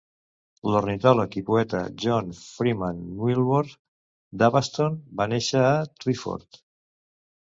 L"ornitòleg i poeta John Freeman Milward Dovaston va néixer a Twyford.